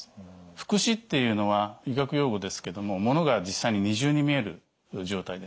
複視っていうのは医学用語ですけども物が実際に二重に見える状態です。